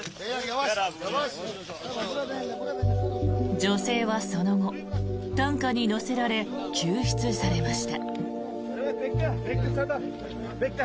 女性はその後、担架に乗せられ救出されました。